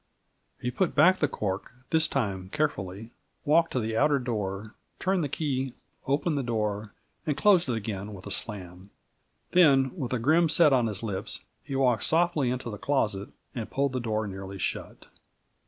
He put back the cork this time carefully walked to the outer door, turned the key, opened the door, and closed it again with a slam. Then, with a grim set of the lips, he walked softly into the closet and pulled the door nearly shut.